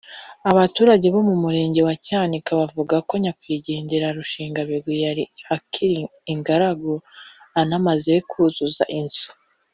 Abaturage bo mu Murenge wa Cyanika bavuga ko nyakwigendera Rushingabigwi yari akiri ingaragu anamaze kuzuza inzu